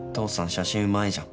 写真うまいじゃん。